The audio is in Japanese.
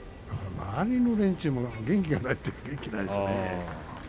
周りの連中も元気がないといえば元気がないね。